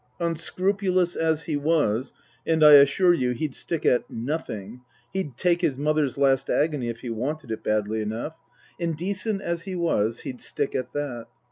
Unscrupulous as he was, and I assure you he'd stick at nothing (he'd " take " his mother's last agony if he " wanted " it badly enough), indecent as he was, he'd stick at that.